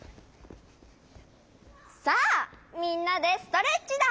さあみんなでストレッチだ！